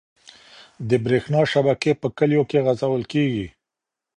د بريښنا شبکي په کليو کي غځول کيږي.